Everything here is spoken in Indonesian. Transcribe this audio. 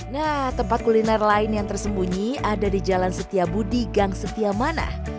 nah tempat kuliner lain yang tersembunyi ada di jalan setia budi gang setia manah